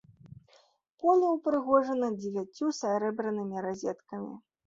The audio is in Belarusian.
Поле ўпрыгожана дзевяццю сярэбранымі разеткамі.